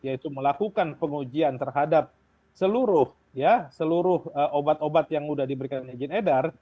yaitu melakukan pengujian terhadap seluruh obat obat yang sudah diberikan izin edar